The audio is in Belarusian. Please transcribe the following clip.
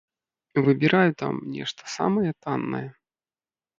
Выбіраю там нешта самае таннае.